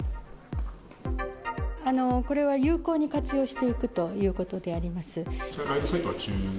これは有効に活用していくということであります。